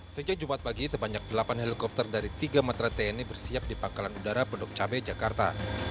sejak jumat pagi sebanyak delapan helikopter dari tiga matra tni bersiap di pangkalan udara pendok cabai jakarta